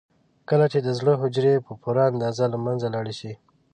کله چې د زړه حجرې په پوره اندازه له منځه لاړې شي.